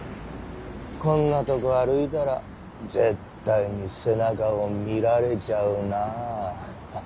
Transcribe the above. こんなとこ歩いたら絶対に背中を見られちゃうなあッ！